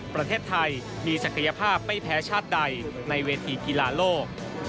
ประเทศไทยมีศักยภาพไม่แพ้ชาติใดในเวทีกีฬาโลก